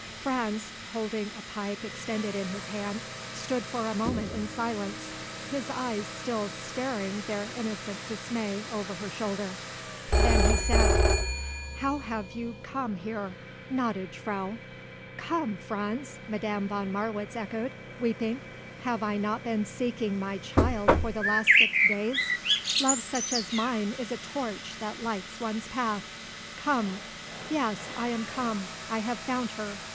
Franz, holding a pipe extended in his hand, stood for a moment in silence his eyes still staring their innocent dismay over her shoulder. Then he said: "How have you come here, gnädige Frau?" "Come, Franz!" Madame von Marwitz echoed, weeping: "Have I not been seeking my child for the last six days! Love such as mine is a torch that lights one's path! Come! Yes; I am come. I have found her!